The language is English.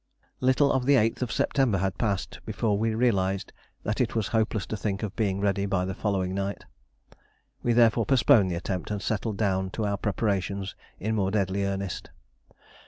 Little of the 8th September had passed before we realised that it was hopeless to think of being ready by the following night. We therefore postponed the attempt, and settled down to our preparations in more deadly earnest.